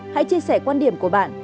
hãy chia sẻ quan điểm của bạn